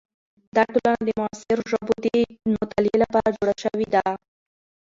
دا ټولنه د معاصرو ژبو د مطالعې لپاره جوړه شوې ده.